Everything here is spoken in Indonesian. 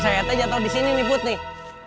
hp saya teh jatuh di sini nih put nih